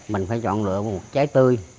mình phải chọn được một trái tươi